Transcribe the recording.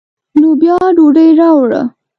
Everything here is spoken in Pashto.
نو بیا ډوډۍ راوړه.